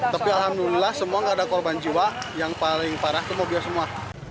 tapi alhamdulillah semua nggak ada korban jiwa yang paling parah itu mobil semua